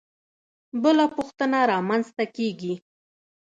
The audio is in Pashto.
بله پوښتنه رامنځته کېږي.